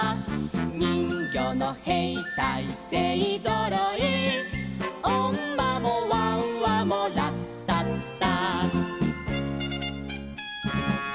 「にんぎょうのへいたいせいぞろい」「おんまもわんわもラッタッタ」